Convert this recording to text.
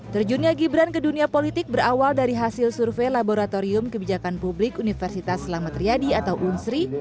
terjunnya gibran ke dunia politik berawal dari hasil survei laboratorium kebijakan publik universitas selamat riyadi atau unsri